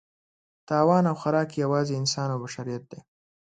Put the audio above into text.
تاوان او خوراک یې یوازې انسان او بشریت دی.